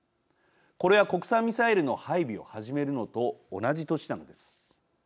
これは国産ミサイルの配備を始めるのと同じ年なのです。